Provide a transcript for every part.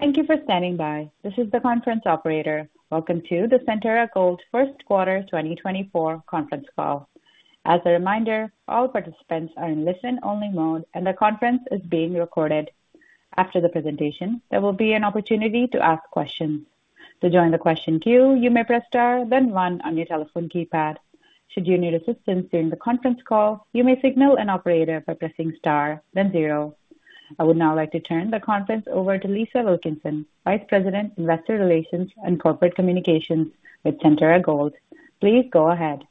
Thank you for standing by. This is the conference operator. Welcome to the Centerra Gold First Quarter 2024 conference call. As a reminder, all participants are in listen-only mode, and the conference is being recorded. After the presentation, there will be an opportunity to ask questions. To join the question queue, you may press star then one on your telephone keypad. Should you need assistance during the conference call, you may signal an operator by pressing star then zero. I would now like to turn the conference over to Lisa Wilkinson, Vice President, Investor Relations and Corporate Communications with Centerra Gold. Please go ahead.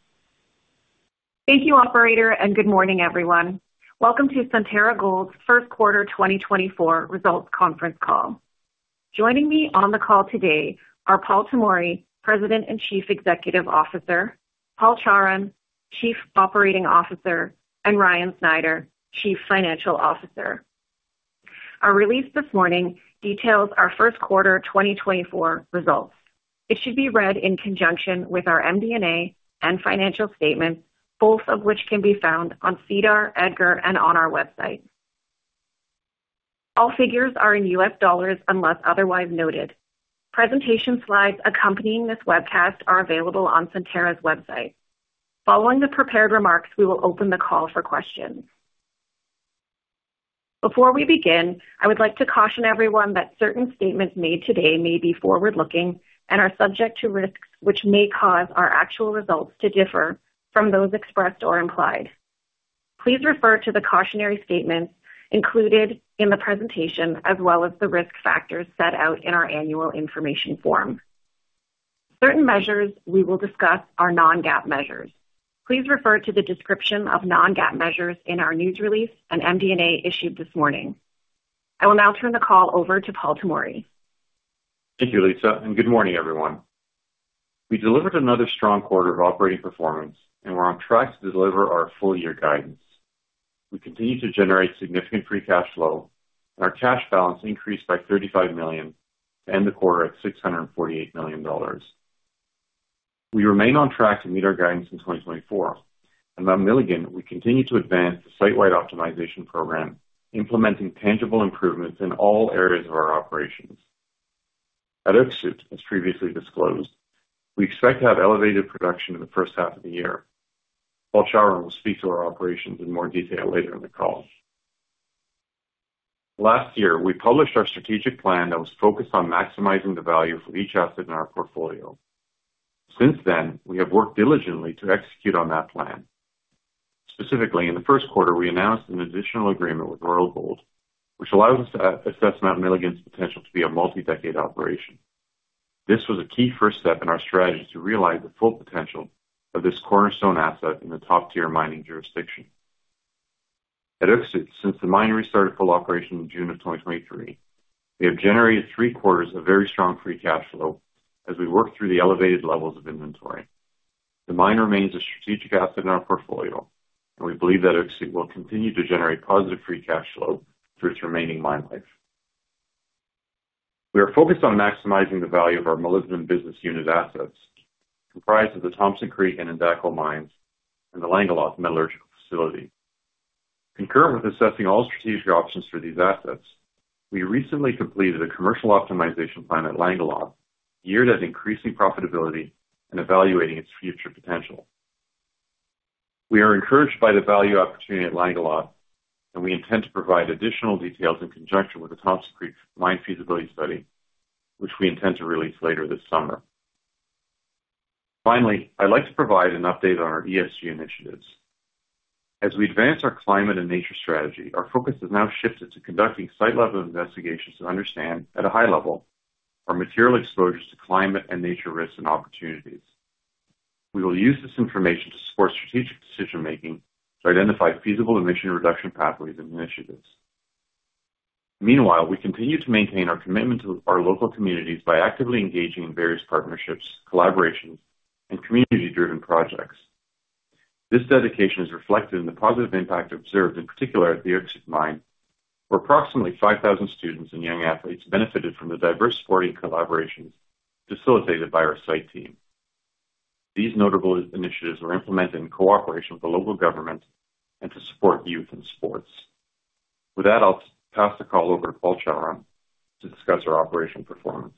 Thank you, operator, and good morning, everyone. Welcome to Centerra Gold's first quarter 2024 results conference call. Joining me on the call today are Paul Tomory, President and Chief Executive Officer, Paul Chawrun, Chief Operating Officer, and Ryan Snyder, Chief Financial Officer. Our release this morning details our first quarter 2024 results. It should be read in conjunction with our MD&A and financial statements, both of which can be found on SEDAR, EDGAR, and on our website. All figures are in U.S. dollars, unless otherwise noted. Presentation slides accompanying this webcast are available on Centerra's website. Following the prepared remarks, we will open the call for questions. Before we begin, I would like to caution everyone that certain statements made today may be forward-looking and are subject to risks, which may cause our actual results to differ from those expressed or implied. Please refer to the cautionary statements included in the presentation, as well as the risk factors set out in our annual information form. Certain measures we will discuss are non-GAAP measures. Please refer to the description of non-GAAP measures in our news release, and MD&A issued this morning. I will now turn the call over to Paul Tomory. Thank you, Lisa, and good morning, everyone. We delivered another strong quarter of operating performance, and we're on track to deliver our full-year guidance. We continue to generate significant free cash flow, and our cash balance increased by $35 million to end the quarter at $648 million. We remain on track to meet our guidance in 2024, and at Milligan, we continue to advance the site-wide optimization program, implementing tangible improvements in all areas of our operations. At Öksüt, as previously disclosed, we expect to have elevated production in the first half of the year. Paul Chawrun will speak to our operations in more detail later in the call. Last year, we published our strategic plan that was focused on maximizing the value of each asset in our portfolio. Since then, we have worked diligently to execute on that plan. Specifically, in the first quarter, we announced an additional agreement with Royal Gold, which allows us to assess Mount Milligan's potential to be a multi-decade operation. This was a key first step in our strategy to realize the full potential of this cornerstone asset in the top-tier mining jurisdiction. At Öksüt, since the mine restarted full operation in June of 2023, we have generated three quarters of very strong free cash flow as we work through the elevated levels of inventory. The mine remains a strategic asset in our portfolio, and we believe that Öksüt will continue to generate positive free cash flow through its remaining mine life. We are focused on maximizing the value of our Molybdenum Business Unit assets, comprised of the Thompson Creek and Endako mines and the Langeloth metallurgical facility. Concurrent with assessing all strategic options for these assets, we recently completed a commercial optimization plan at Langeloth, geared at increasing profitability and evaluating its future potential. We are encouraged by the value opportunity at Langeloth, and we intend to provide additional details in conjunction with the Thompson Creek Mine feasibility study, which we intend to release later this summer. Finally, I'd like to provide an update on our ESG initiatives. As we advance our climate and nature strategy, our focus has now shifted to conducting site-level investigations to understand, at a high level, our material exposures to climate and nature risks and opportunities. We will use this information to support strategic decision-making to identify feasible emission reduction pathways and initiatives. Meanwhile, we continue to maintain our commitment to our local communities by actively engaging in various partnerships, collaborations, and community-driven projects. This dedication is reflected in the positive impact observed, in particular at the Öksüt Mine, where approximately 5,000 students and young athletes benefited from the diverse sporting collaborations facilitated by our site team. These notable initiatives were implemented in cooperation with the local government and to support youth and sports. With that, I'll pass the call over to Paul Chawrun to discuss our operation performance.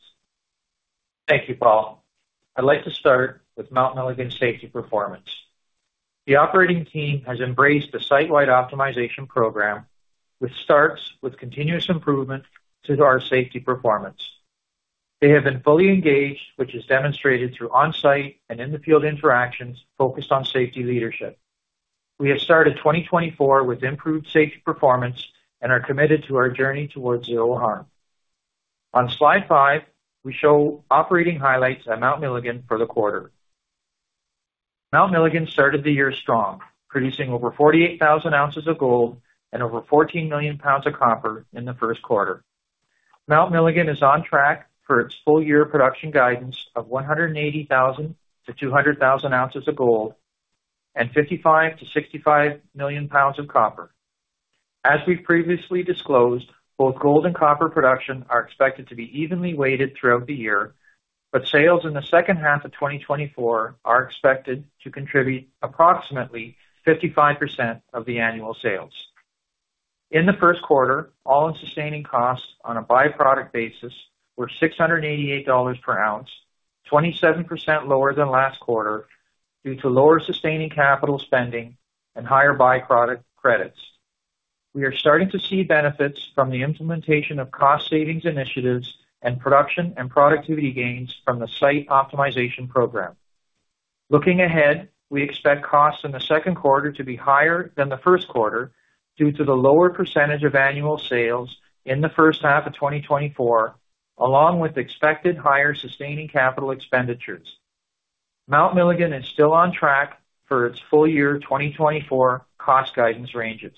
Thank you, Paul. I'd like to start with Mount Milligan safety performance. The operating team has embraced a site-wide optimization program, which starts with continuous improvement to our safety performance. They have been fully engaged, which is demonstrated through on-site and in-the-field interactions focused on safety leadership. We have started 2024 with improved safety performance and are committed to our journey towards zero harm. On Slide 5, we show operating highlights at Mount Milligan for the quarter. Mount Milligan started the year strong, producing over 48,000 ounces of gold and over 14 million pounds of copper in the first quarter. Mount Milligan is on track for its full-year production guidance of 180,000 ounces-200,000 ounces of gold and 55 million-65 million pounds of copper. As we previously disclosed, both gold and copper production are expected to be evenly weighted throughout the year, but sales in the second half of 2024 are expected to contribute approximately 55% of the annual sales. In the first quarter, all-in sustaining costs on a by-product basis were $688 per ounce, 27% lower than last quarter, due to lower sustaining capital spending and higher by-product credits. We are starting to see benefits from the implementation of cost savings initiatives and production and productivity gains from the site optimization program. Looking ahead, we expect costs in the second quarter to be higher than the first quarter due to the lower percentage of annual sales in the first half of 2024, along with expected higher sustaining capital expenditures. Mount Milligan is still on track for its full-year 2024 cost guidance ranges.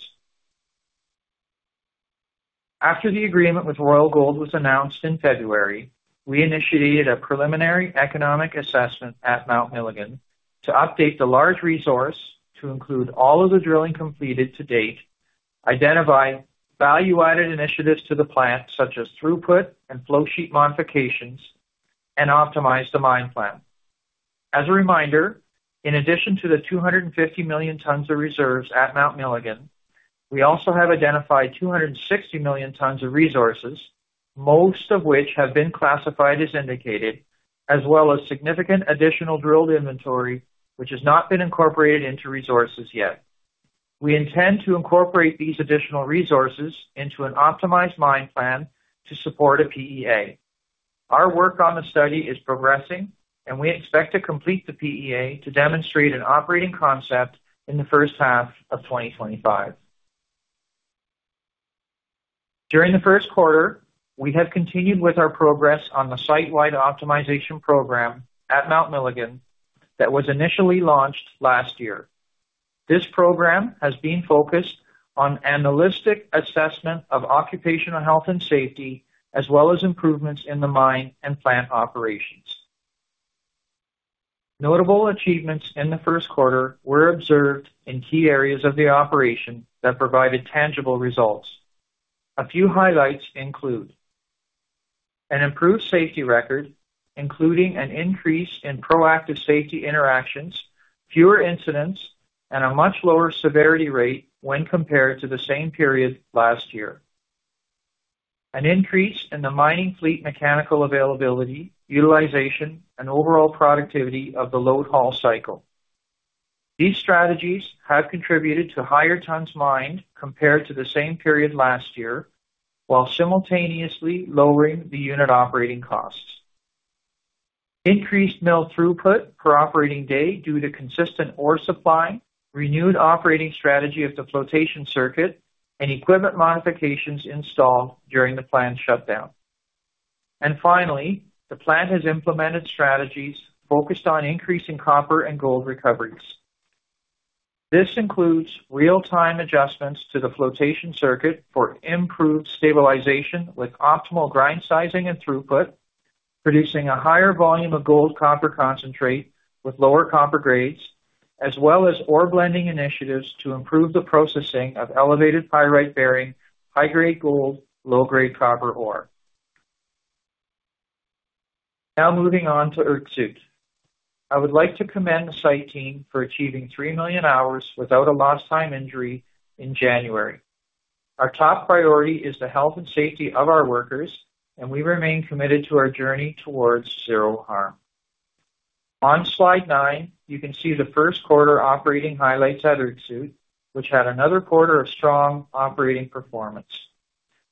After the agreement with Royal Gold was announced in February, we initiated a preliminary economic assessment at Mount Milligan to update the large resource to include all of the drilling completed to date, identify value-added initiatives to the plant, such as throughput and flow sheet modifications, and optimize the mine plan. As a reminder, in addition to the 250 million tons of reserves at Mount Milligan, we also have identified 260 million tons of resources, most of which have been classified as indicated, as well as significant additional drilled inventory, which has not been incorporated into resources yet. We intend to incorporate these additional resources into an optimized mine plan to support a PEA. Our work on the study is progressing, and we expect to complete the PEA to demonstrate an operating concept in the first half of 2025. During the first quarter, we have continued with our progress on the site-wide optimization program at Mount Milligan that was initially launched last year. This program has been focused on analytic assessment of occupational health and safety, as well as improvements in the mine and plant operations. Notable achievements in the first quarter were observed in key areas of the operation that provided tangible results. A few highlights include: an improved safety record, including an increase in proactive safety interactions, fewer incidents, and a much lower severity rate when compared to the same period last year. An increase in the mining fleet mechanical availability, utilization, and overall productivity of the load-haul cycle. These strategies have contributed to higher tons mined compared to the same period last year, while simultaneously lowering the unit operating costs. Increased mill throughput per operating day due to consistent ore supply, renewed operating strategy of the flotation circuit, and equipment modifications installed during the plant shutdown. Finally, the plant has implemented strategies focused on increasing copper and gold recoveries. This includes real-time adjustments to the flotation circuit for improved stabilization with optimal grind sizing and throughput, producing a higher volume of gold copper concentrate with lower copper grades, as well as ore blending initiatives to improve the processing of elevated pyrite-bearing, high-grade gold, low-grade copper ore. Now moving on to Öksüt. I would like to commend the site team for achieving 3 million hours without a lost time injury in January. Our top priority is the health and safety of our workers, and we remain committed to our journey towards zero harm. On Slide 9, you can see the first quarter operating highlights at Öksüt, which had another quarter of strong operating performance.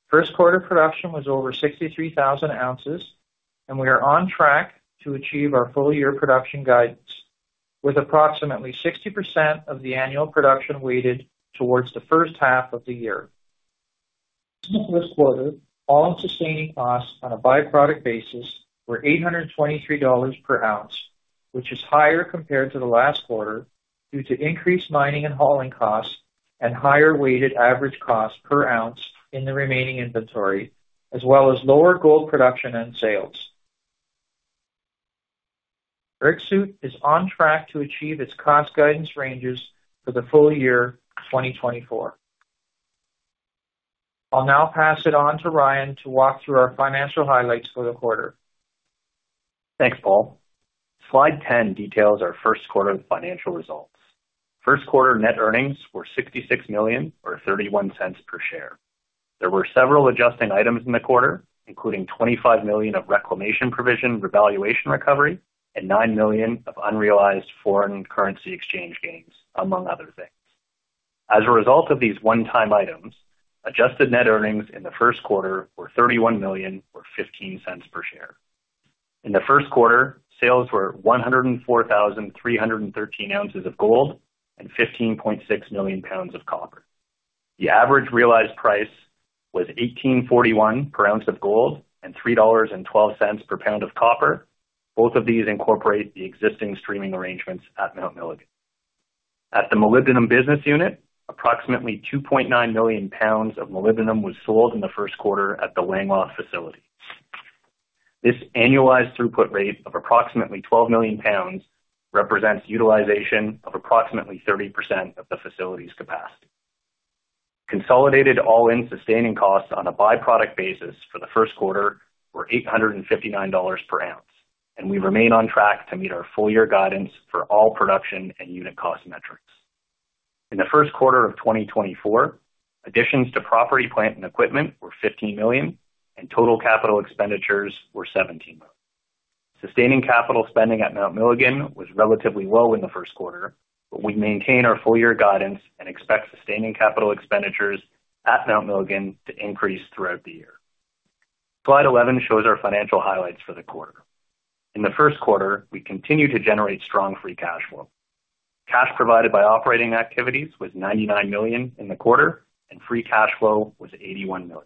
First quarter production was over 63,000 ounces, and we are on track to achieve our full-year production guidance, with approximately 60% of the annual production weighted towards the first half of the year. In the first quarter, All-in Sustaining Costs on a by-product basis were $823 per ounce, which is higher compared to the last quarter due to increased mining and hauling costs and higher weighted average cost per ounce in the remaining inventory, as well as lower gold production and sales. Öksüt is on track to achieve its cost guidance ranges for the full year 2024. I'll now pass it on to Ryan to walk through our financial highlights for the quarter. Thanks, Paul. Slide 10 details our first quarter financial results. First quarter net earnings were $66 million or $0.31 per share. There were several adjusting items in the quarter, including $25 million of reclamation provision revaluation recovery and $9 million of unrealized foreign currency exchange gains, among other things. As a result of these one-time items, adjusted net earnings in the first quarter were $31 million or $0.15 per share. In the first quarter, sales were 104,313 ounces of gold and 15.6 million pounds of copper. The average realized price was $1,841 per ounce of gold and $3.12 per pound of copper. Both of these incorporate the existing streaming arrangements at Mount Milligan. At the Molybdenum Business Unit, approximately 2.9 million pounds of molybdenum was sold in the first quarter at the Langeloth facility. This annualized throughput rate of approximately 12 million pounds represents utilization of approximately 30% of the facility's capacity. Consolidated All-in Sustaining Costs on a by-product basis for the first quarter were $859 per ounce, and we remain on track to meet our full-year guidance for all production and unit cost metrics. In the first quarter of 2024, additions to property, plant, and equipment were $15 million, and total capital expenditures were $17 million. Sustaining capital spending at Mount Milligan was relatively low in the first quarter, but we maintain our full-year guidance and expect sustaining capital expenditures at Mount Milligan to increase throughout the year. Slide 11 shows our financial highlights for the quarter. In the first quarter, we continued to generate strong free cash flow. Cash provided by operating activities was $99 million in the quarter, and free cash flow was $81 million.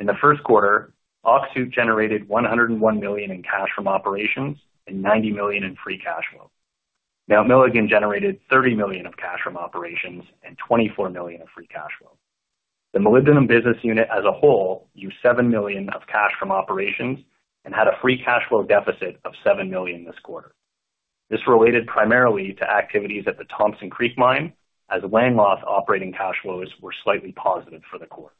In the first quarter, Öksüt generated $101 million in cash from operations and $90 million in free cash flow. Mount Milligan generated $30 million of cash from operations and $24 million of free cash flow. The Molybdenum Business Unit as a whole, used $7 million of cash from operations and had a free cash flow deficit of $7 million this quarter. This related primarily to activities at the Thompson Creek mine, as Langeloth operating cash flows were slightly positive for the quarter.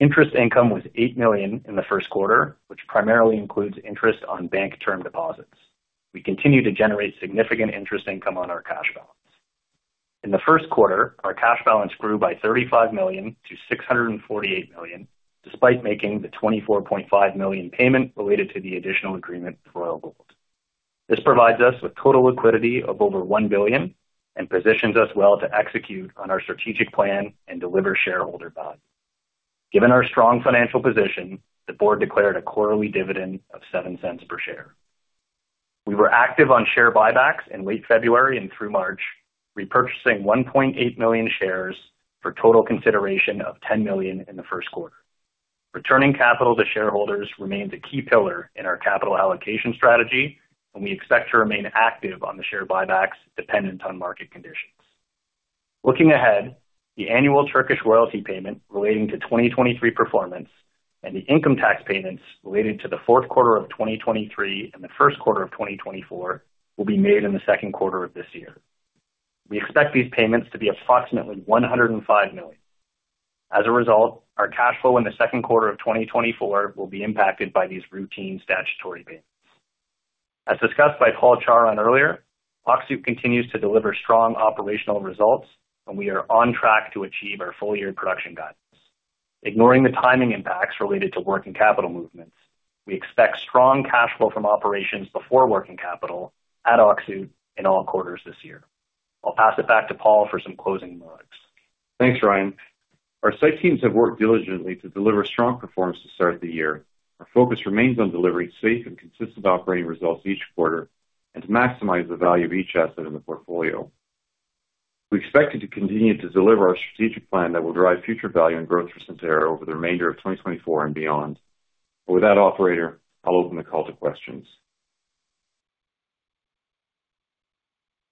Interest income was $8 million in the first quarter, which primarily includes interest on bank term deposits. We continue to generate significant interest income on our cash balance. In the first quarter, our cash balance grew by $35 million-$648 million, despite making the $24.5 million payment related to the additional agreement with Royal Gold. This provides us with total liquidity of over $1 billion and positions us well to execute on our strategic plan and deliver shareholder value. Given our strong financial position, the board declared a quarterly dividend of $0.07 per share. We were active on share buybacks in late February and through March, repurchasing 1.8 million shares for total consideration of $10 million in the first quarter. Returning capital to shareholders remains a key pillar in our capital allocation strategy, and we expect to remain active on the share buybacks dependent on market conditions. Looking ahead, the annual Turkish royalty payment relating to 2023 performance and the income tax payments related to the fourth quarter of 2023 and the first quarter of 2024 will be made in the second quarter of this year. We expect these payments to be approximately $105 million. As a result, our cash flow in the second quarter of 2024 will be impacted by these routine statutory payments. As discussed by Paul Chawrun earlier, Öksüt continues to deliver strong operational results, and we are on track to achieve our full-year production guidance. Ignoring the timing impacts related to working capital movements, we expect strong cash flow from operations before working capital at Öksüt in all quarters this year. I'll pass it back to Paul for some closing remarks. Thanks, Ryan. Our site teams have worked diligently to deliver strong performance to start the year. Our focus remains on delivering safe and consistent operating results each quarter and to maximize the value of each asset in the portfolio. We expect to continue to deliver our strategic plan that will drive future value and growth for Centerra over the remainder of 2024 and beyond. With that, operator, I'll open the call to questions.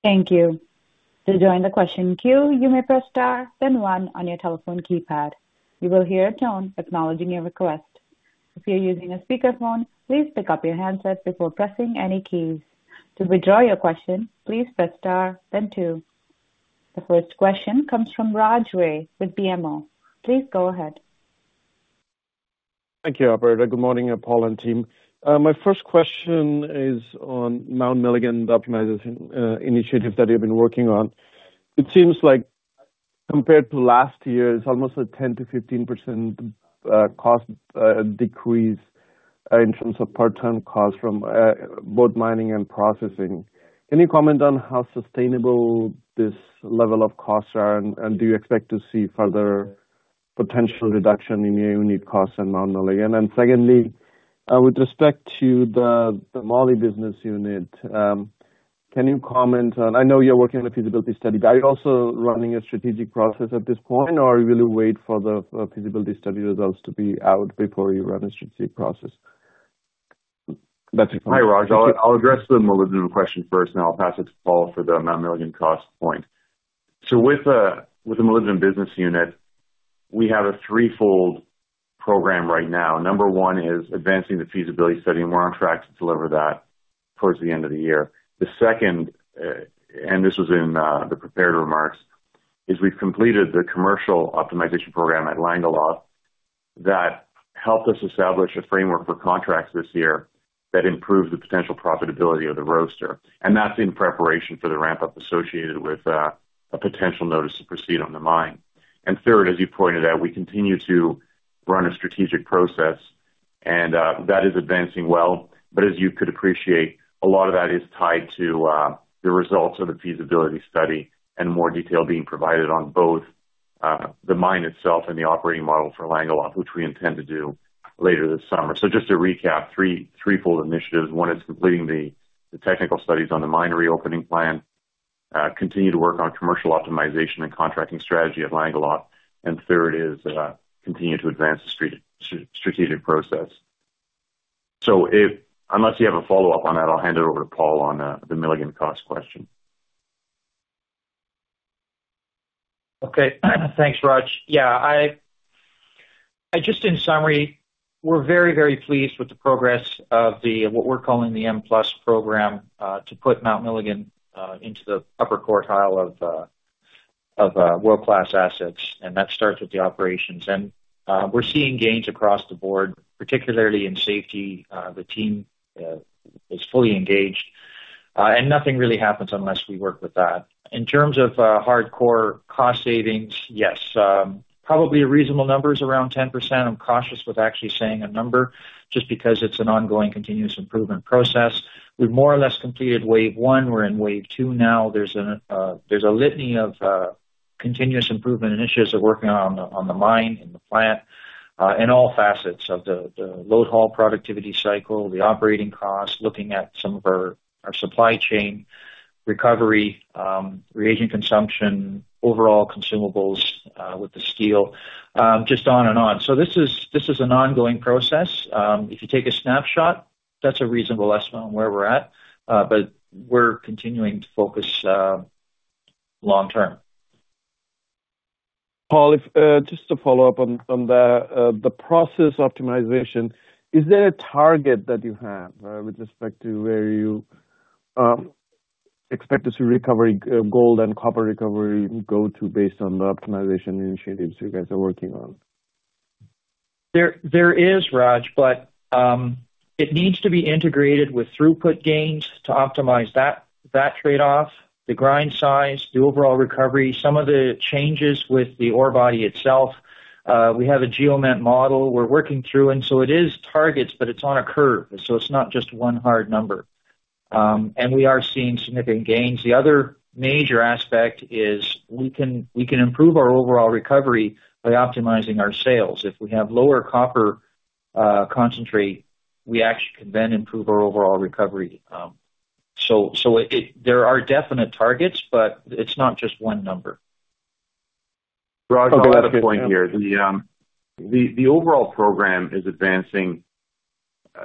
Thank you. To join the question queue, you may press star, then one on your telephone keypad. You will hear a tone acknowledging your request. If you're using a speakerphone, please pick up your handsets before pressing any keys. To withdraw your question, please press star then two. The first question comes from Raj Ray with BMO. Please go ahead. Thank you, operator. Good morning, Paul and team. My first question is on Mount Milligan optimization initiative that you've been working on. It seems like compared to last year, it's almost a 10%-15% cost decrease in terms of per-tonne costs from both mining and processing. Can you comment on how sustainable this level of costs are, and do you expect to see further potential reduction in your unit costs in Mount Milligan? And secondly, with respect to the moly business unit, can you comment on... I know you're working on a feasibility study. Are you also running a strategic process at this point, or will you wait for the feasibility study results to be out before you run a strategic process? That's it. Hi, Raj. I'll address the molybdenum question first, and I'll pass it to Paul for the Mount Milligan cost point. So with the Molybdenum Business Unit, we have a threefold program right now. Number one is advancing the feasibility study, and we're on track to deliver that towards the end of the year. The second, and this was in the prepared remarks, is we've completed the commercial optimization program at Langeloth that helped us establish a framework for contracts this year that improves the potential profitability of the roaster, and that's in preparation for the ramp-up associated with a potential notice to proceed on the mine. And third, as you pointed out, we continue to run a strategic process, and that is advancing well. But as you could appreciate, a lot of that is tied to the results of the feasibility study and more detail being provided on both the mine itself and the operating model for Langeloth, which we intend to do later this summer. So just to recap, threefold initiatives. One is completing the technical studies on the mine reopening plan, continue to work on commercial optimization and contracting strategy at Langeloth, and third is continue to advance the strategic process. So unless you have a follow-up on that, I'll hand it over to Paul on the Milligan cost question. Just in summary, we're very, very pleased with the progress of the, what we're calling the M Plus program, to put Mount Milligan into the upper quartile of world-class assets, and that starts with the operations. We're seeing gains across the board, particularly in safety. The team is fully engaged, and nothing really happens unless we work with that. In terms of hardcore cost savings, yes. Probably a reasonable number is around 10%. I'm cautious with actually saying a number just because it's an ongoing continuous improvement process. We've more or less completed wave one, we're in wave two now. There's a litany of continuous improvement initiatives we're working on, on the mine and the plant, in all facets of the, the load haul productivity cycle, the operating costs, looking at some of our, our supply chain recovery, reagent consumption, overall consumables, with the steel, just on and on. So this is, this is an ongoing process. If you take a snapshot, that's a reasonable estimate on where we're at, but we're continuing to focus, long term. Paul, if just to follow up on the process optimization, is there a target that you have with respect to where you expect us to recovery gold and copper recovery go to based on the optimization initiatives you guys are working on? There is, Raj, but it needs to be integrated with throughput gains to optimize that trade-off, the grind size, the overall recovery, some of the changes with the ore body itself. We have a geometallurgical model we're working through, and so it is targets, but it's on a curve, so it's not just one hard number. We are seeing significant gains. The other major aspect is we can improve our overall recovery by optimizing our blends. If we have lower copper concentrate, we actually can then improve our overall recovery. So, there are definite targets, but it's not just one number. Raj, I'll add a point here. The overall program is advancing.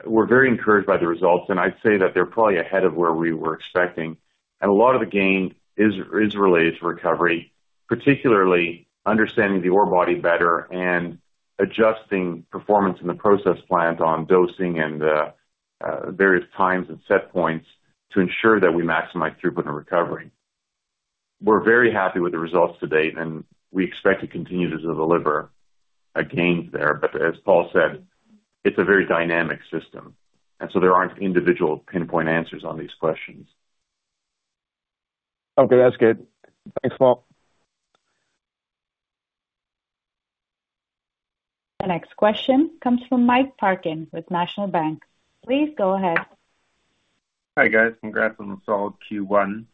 We're very encouraged by the results, and I'd say that they're probably ahead of where we were expecting. And a lot of the gain is related to recovery, particularly understanding the ore body better and adjusting performance in the process plant on dosing and various times and set points to ensure that we maximize throughput and recovery. We're very happy with the results to date, and we expect to continue to deliver gains there. But as Paul said, it's a very dynamic system, and so there aren't individual pinpoint answers on these questions. Okay, that's good. Thanks, Paul. The next question comes from Mike Parkin with National Bank. Please go ahead. Hi, guys. Congrats on the solid Q1.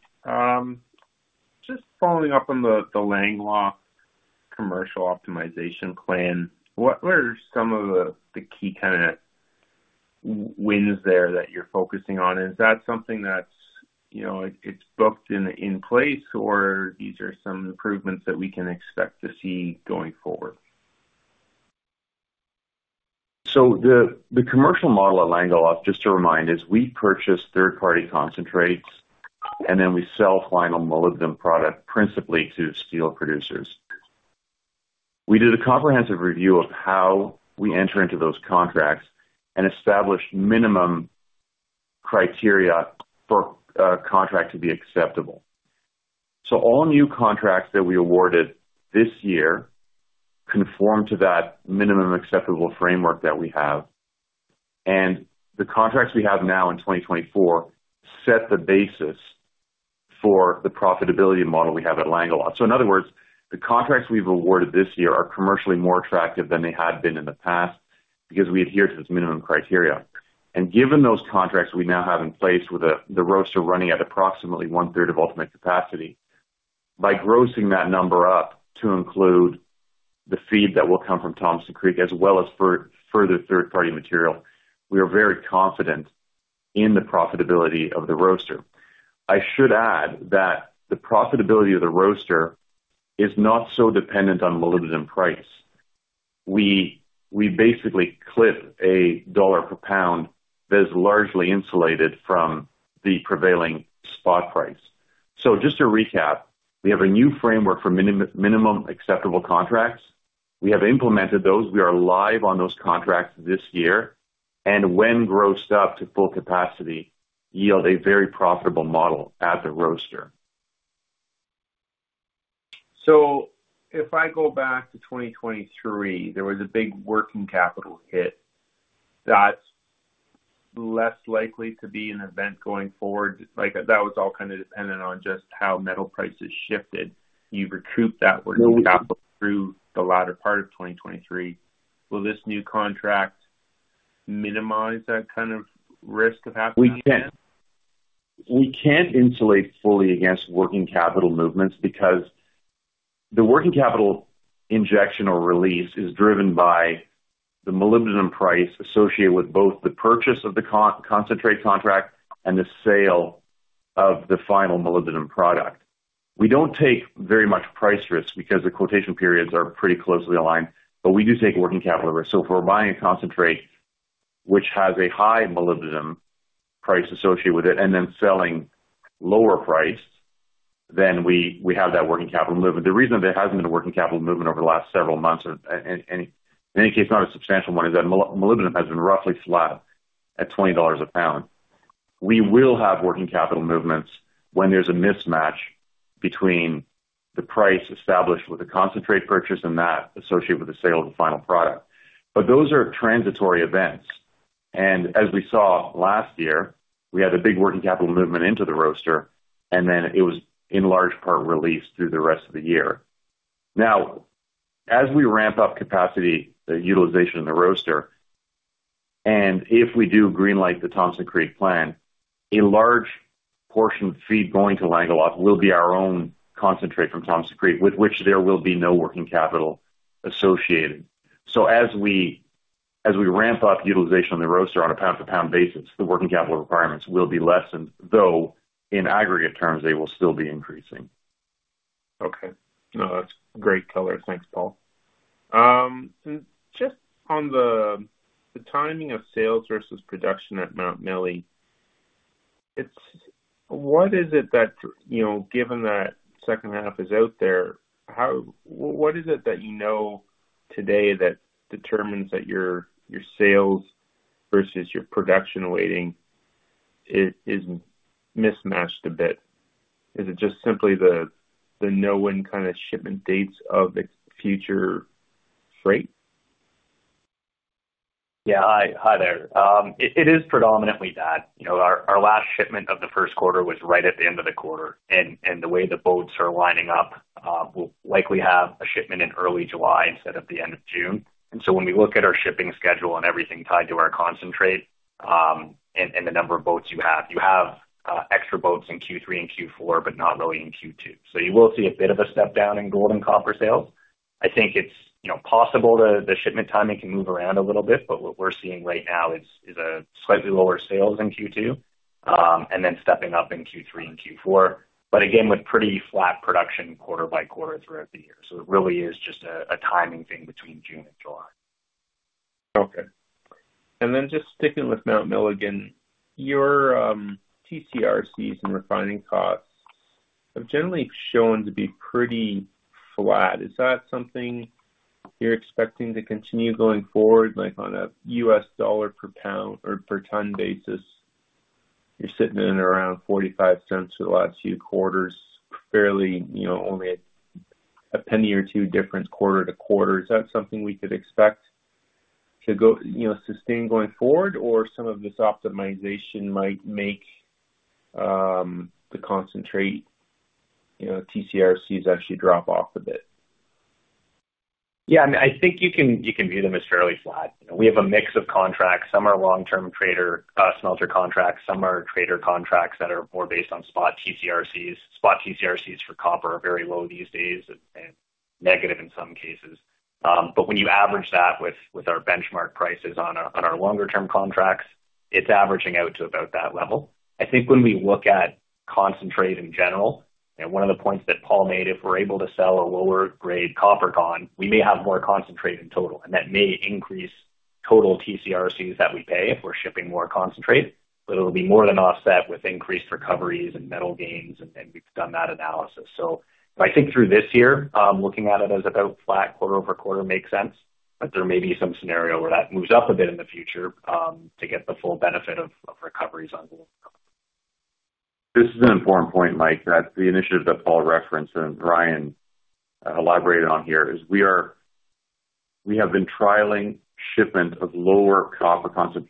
Just following up on the Langeloth commercial optimization plan, what were some of the key kind of wins there that you're focusing on? Is that something that's, you know, it's booked in place, or these are some improvements that we can expect to see going forward? So the commercial model at Langeloth, just to remind, is we purchase third-party concentrates, and then we sell final molybdenum product principally to steel producers. We did a comprehensive review of how we enter into those contracts and established minimum criteria for a contract to be acceptable. So all new contracts that we awarded this year conform to that minimum acceptable framework that we have, and the contracts we have now in 2024 set the basis for the profitability model we have at Langeloth. So in other words, the contracts we've awarded this year are commercially more attractive than they had been in the past because we adhere to this minimum criteria. And given those contracts we now have in place with the roaster running at approximately one third of ultimate capacity, by grossing that number up to include the feed that will come from Thompson Creek, as well as further third-party material, we are very confident in the profitability of the roaster. I should add that the profitability of the roaster is not so dependent on molybdenum price. We basically clip $1 per pound that is largely insulated from the prevailing spot price. So just to recap, we have a new framework for minimum acceptable contracts. We have implemented those. We are live on those contracts this year, and when grossed up to full capacity, yield a very profitable model at the roaster. So if I go back to 2023, there was a big working capital hit. That's less likely to be an event going forward. Like, that was all kind of dependent on just how metal prices shifted. You recouped that working capital through the latter part of 2023. Will this new contract minimize that kind of risk of happening again? We can't. We can't insulate fully against working capital movements because the working capital injection or release is driven by the molybdenum price associated with both the purchase of the concentrate contract and the sale of the final molybdenum product. We don't take very much price risk because the quotation periods are pretty closely aligned, but we do take working capital risk. So if we're buying a concentrate which has a high molybdenum price associated with it, and then selling lower price... Then we, we have that working capital move. But the reason there hasn't been a working capital movement over the last several months, and in any case, not a substantial one, is that molybdenum has been roughly flat at $20 a pound. We will have working capital movements when there's a mismatch between the price established with the concentrate purchase and that associated with the sale of the final product. But those are transitory events, and as we saw last year, we had a big working capital movement into the roaster, and then it was in large part released through the rest of the year. Now, as we ramp up capacity, the utilization in the roaster, and if we do green light the Thompson Creek plan, a large portion of feed going to Langeloth will be our own concentrate from Thompson Creek, with which there will be no working capital associated. So as we ramp up utilization on the roaster on a pound-to-pound basis, the working capital requirements will be lessened, though, in aggregate terms, they will still be increasing. Okay. No, that's great color. Thanks, Paul. Just on the timing of sales versus production at Mount Milligan, it's—what is it that, you know, given that second half is out there, what is it that you know today that determines that your sales versus your production waiting is mismatched a bit? Is it just simply the known kind of shipment dates of the future freight? Yeah. Hi, hi there. It is predominantly that. You know, our last shipment of the first quarter was right at the end of the quarter, and the way the boats are lining up, we'll likely have a shipment in early July instead of the end of June. And so when we look at our shipping schedule and everything tied to our concentrate, and the number of boats you have, you have extra boats in Q3 and Q4, but not really in Q2. So you will see a bit of a step down in gold and copper sales. I think it's, you know, possible the shipment timing can move around a little bit, but what we're seeing right now is a slightly lower sales in Q2, and then stepping up in Q3 and Q4, but again, with pretty flat production quarter by quarter throughout the year. So it really is just a timing thing between June and July. Okay. And then just sticking with Mount Milligan, your TCRCs and refining costs have generally shown to be pretty flat. Is that something you're expecting to continue going forward, like on a US dollar per pound or per ton basis? You're sitting at around $0.45 for the last few quarters, fairly, you know, only a penny or two difference quarter to quarter. Is that something we could expect to go, you know, sustain going forward, or some of this optimization might make the concentrate, you know, TCRCs actually drop off a bit? Yeah, I think you can, you can view them as fairly flat. We have a mix of contracts. Some are long-term trader, smelter contracts, some are trader contracts that are more based on spot TCRCs. Spot TCRCs for copper are very low these days and negative in some cases. But when you average that with, with our benchmark prices on our, on our longer term contracts, it's averaging out to about that level. I think when we look at concentrate in general, and one of the points that Paul made. If we're able to sell a lower grade copper con, we may have more concentrate in total, and that may increase total TCRCs that we pay if we're shipping more concentrate, but it'll be more than offset with increased recoveries and metal gains, and we've done that analysis. I think through this year, looking at it as about flat quarter-over-quarter makes sense, but there may be some scenario where that moves up a bit in the future, to get the full benefit of recoveries on gold. This is an important point, Mike. That the initiative that Paul referenced and Ryan elaborated on here is we have been trialing shipment of lower copper content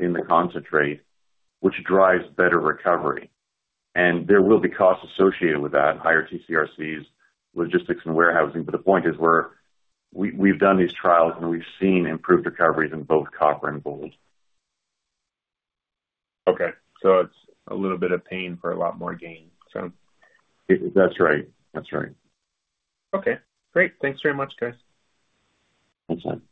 in the concentrate, which drives better recovery, and there will be costs associated with that, higher TCRCs, logistics and warehousing. But the point is where we, we've done these trials, and we've seen improved recoveries in both copper and gold. Okay, so it's a little bit of pain for a lot more gain, so. That's right. That's right. Okay, great. Thanks very much, guys. Thanks, man.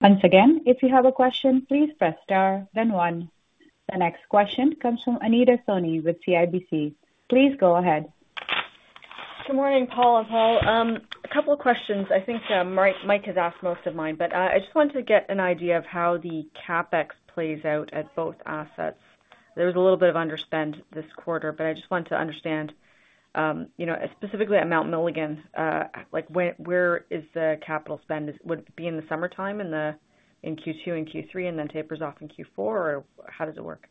Once again, if you have a question, please press star then one. The next question comes from Anita Soni with CIBC. Please go ahead. Good morning, Paul and Paul. A couple of questions. I think, Mike has asked most of mine, but, I just wanted to get an idea of how the CapEx plays out at both assets. There was a little bit of underspend this quarter, but I just wanted to understand, you know, specifically at Mount Milligan, like, where, where is the capital spend? Would it be in the summertime, in the, in Q2 and Q3, and then tapers off in Q4, or how does it work?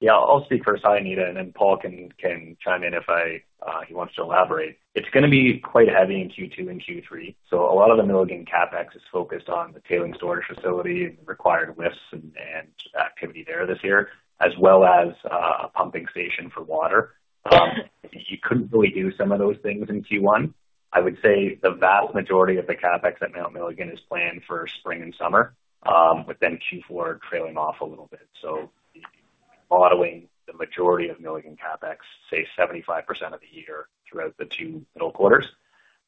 Yeah, I'll speak first. Hi, Anita, and then Paul can, can chime in if I, he wants to elaborate. It's going to be quite heavy in Q2 and Q3, so a lot of the Milligan CapEx is focused on the tailings storage facility, required lifts and, and activity there this year, as well as, a pumping station for water. You couldn't really do some of those things in Q1. I would say the vast majority of the CapEx at Mount Milligan is planned for spring and summer, but then Q4 trailing off a little bit. So modeling the majority of Milligan CapEx, say 75% of the year throughout the two middle quarters.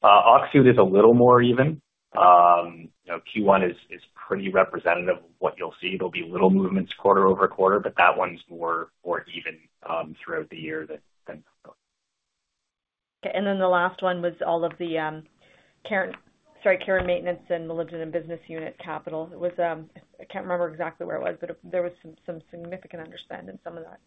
Öksüt is a little more even. You know, Q1 is, is pretty representative of what you'll see. There'll be little movements quarter-over-quarter, but that one's more even throughout the year than Milligan. Okay, and then the last one was all of the care and maintenance and Molybdenum Business Unit capital. Sorry, I can't remember exactly where it was, but there was some significant underspend in some of that.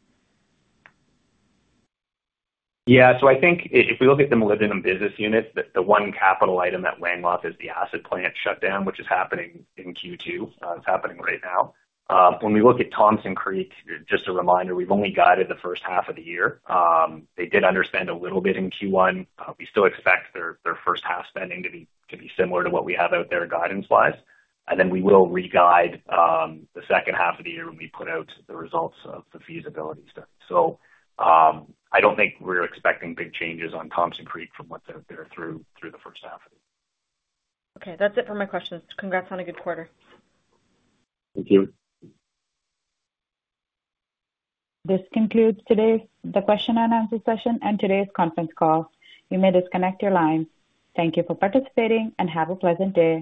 Yeah. So I think if we look at the Molybdenum Business Unit, the one capital item at Langeloth is the acid plant shutdown, which is happening in Q2. It's happening right now. When we look at Thompson Creek, just a reminder, we've only guided the first half of the year. They did underspend a little bit in Q1. We still expect their first half spending to be similar to what we have out there guidance-wise, and then we will re-guide the second half of the year when we put out the results of the feasibility study. So, I don't think we're expecting big changes on Thompson Creek from what's out there through the first half. Okay, that's it for my questions. Congrats on a good quarter. Thank you. This concludes today's the question and answer session and today's conference call. You may disconnect your line. Thank you for participating, and have a pleasant day.